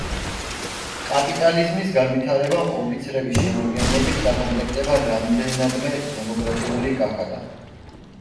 კაპიტალიზმის განვითარებამ ოფიცრების შემადგენლობის დაკომპლექტება რამდენადმე დემოკრატიული გახადა.